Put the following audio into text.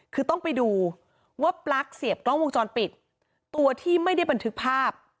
คือต้องไปดูว่าปลั๊กเสียบกล้องวงจรปิดตัวที่ไม่ได้บันทึกภาพ